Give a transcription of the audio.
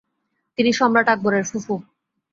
তিনি সম্রাট আকবরের ফুফু।